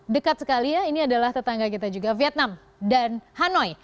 dekat sekali ya ini adalah tetangga kita juga vietnam dan hanoi